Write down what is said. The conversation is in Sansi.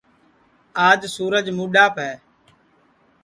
آج سورج مُڈٚاپ ہے